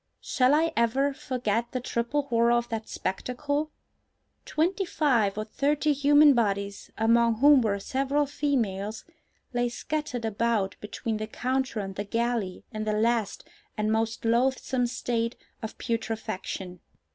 Shall I ever forget the triple horror of that spectacle? Twenty five or thirty human bodies, among whom were several females, lay scattered about between the counter and the galley in the last and most loathsome state of putrefaction.